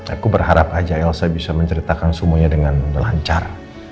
aku berharap aja elsa bisa menceritakan semuanya dengan lancar